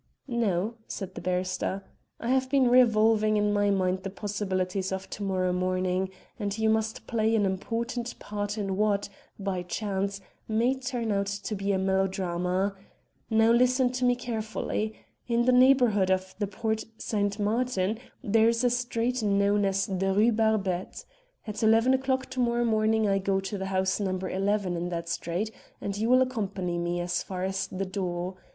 "No," said the barrister. "I have been revolving in my mind the possibilities of to morrow morning, and you must play an important part in what, by chance, may turn out to be a melodrama. Now, listen to me carefully. In the neighbourhood of the Porte St. Martin there is a street known as the Rue Barbette. At eleven o'clock to morrow I go to the house No. 11 in that street, and you will accompany me as far as the door.